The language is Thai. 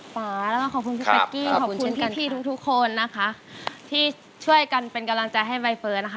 ป่าแล้วก็ขอบคุณพี่เป๊กกี้ขอบคุณพี่ทุกทุกคนนะคะที่ช่วยกันเป็นกำลังใจให้ใบเฟิร์นนะคะ